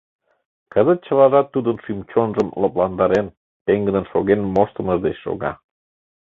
Кызыт чылажат тудын шӱм-чонжым лыпландарен, пеҥгыдын шоген моштымыж деч шога.